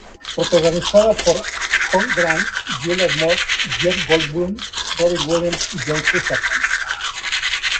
Protagonizada por Hugh Grant, Julianne Moore, Jeff Goldblum, Robin Williams y Joan Cusack.